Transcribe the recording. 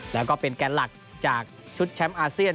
และก็เป็นแค่หลักจากชุดแชมพ์อนหัวอาเซียน